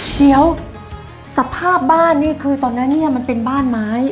เดี๋ยวสภาพบ้านนี่คือตอนนั้นเนี่ยมันเป็นบ้านไม้